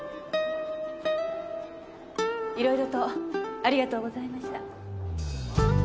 いろいろとありがとうございました。